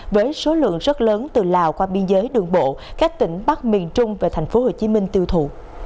với số lượng rất lớn từ lào qua biên giới đường bộ các tỉnh bắc miền trung và tp hcm tiêu thụ